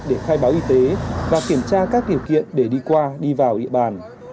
để khai báo y tế và kiểm tra các điều kiện để đi qua đi vào địa bàn